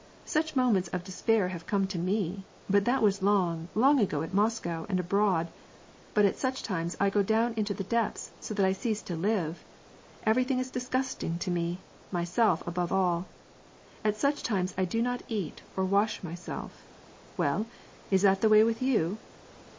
Such moments of despair have come to me, but that was long, long ago at Moscow and abroad, but at such times I go down into the depths so that I cease to live ; everything is disgusting to me — myself above all ! At such times I do not eat, or wash myself — Well, is that the way with you